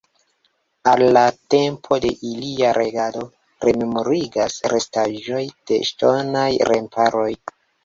Al la tempo de ilia regado rememorigas restaĵoj de ŝtonaj remparoj.